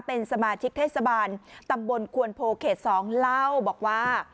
เป็นสมาชิกเทศบาลตำบลควนโพเขต๒เล่าบอกว่า